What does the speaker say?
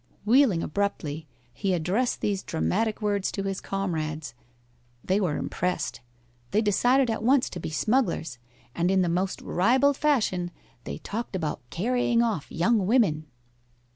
Wheeling abruptly, he addressed these dramatic words to his comrades. They were impressed; they decided at once to be smugglers, and in the most ribald fashion they talked about carrying off young women.